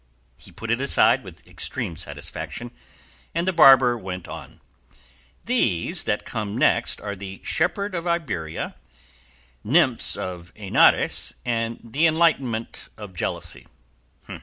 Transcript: He put it aside with extreme satisfaction, and the barber went on, "These that come next are 'The Shepherd of Iberia,' 'Nymphs of Henares,' and 'The Enlightenment of Jealousy.